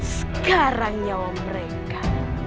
sekarang nyawa mereka